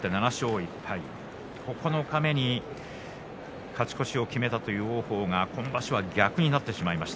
１敗九日目に勝ち越しを決めたという王鵬が今場所は逆になってしまいました。